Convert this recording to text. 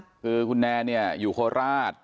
คือคุณแนนเนี่ยอยู่โคราช